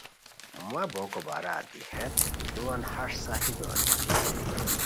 مہ بوکو بارا دی ہیت لوؤان ہَݰ صحیح دونیان